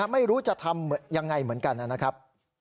ไม่รู้จะทำยังไงเหมือนกันนะครับ